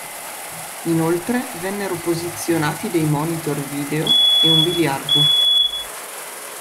Inoltre vennero posizionati dei monitor video e un biliardo.